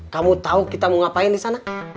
kamu tahu kita mau ngapain di sana